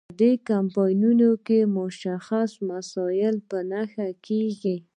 په دې کمپاینونو کې مشخص مسایل په نښه کیږي.